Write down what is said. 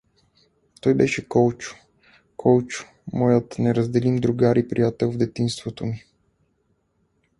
Той беше Колчо, Колчо, моят неразделим другар и приятел в детинството ми!